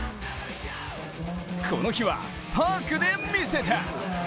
この日は、パークでみせた。